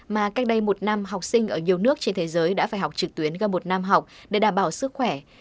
mà cách đây một năm học sinh ở nhiều nước trên thế giới đã phải học trực tuyến qua một năm học để đảm bảo sức khỏe